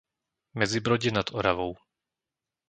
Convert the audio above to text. Medzibrodie nad Oravou